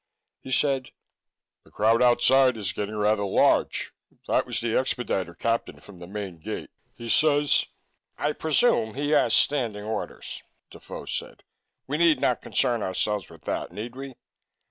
He said: "The crowd outside is getting rather large. That was the expediter captain from the main gate. He says " "I presume he has standing orders," Defoe said. "We need not concern ourselves with that, need we?"